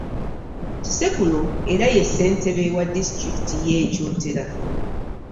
Kisekulo era ye Ssentebe wa disitulikiti y'e Kyotera.